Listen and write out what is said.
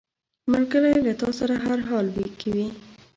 ملګری له تا سره هر حال کې وي